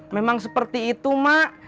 memang seperti itu mak